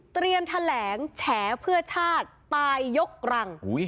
เตรียมแถลงแฉเพื่อชาติตายยกรัง